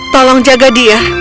tolong jaga dia